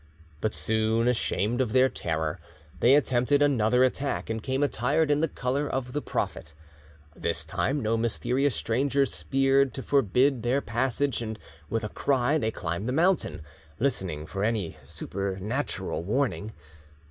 But soon, ashamed of their terror, they attempted another attack, and came attired in the colour of the Prophet. This time no mysterious stranger speared to forbid their passage and with a cry they climbed the mountain, listening for any supernatural warning.